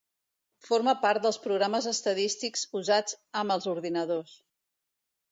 Forma part dels programes estadístics usats amb els ordinadors.